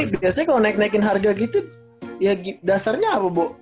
biasanya kalau naik naikin harga gitu ya dasarnya apa bu